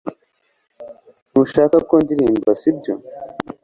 Ntushaka ko ndirimba sibyo